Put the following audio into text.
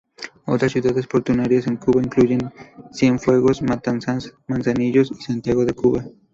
Otras ciudades portuarias en Cuba incluyen Cienfuegos, Matanzas, Manzanillo y Santiago de Cuba.